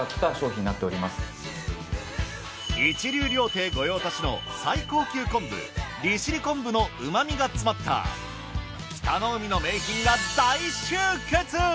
一流料亭御用達の最高級昆布利尻昆布の旨みが詰まった北の海の名品が大集結。